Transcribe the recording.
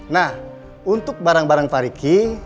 nah untuk barang barang faricky